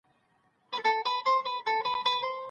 ماشومان د کاردستي له لارې خپل مهارتونه عملي کوي.